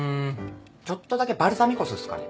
ちょっとだけバルサミコ酢っすかね。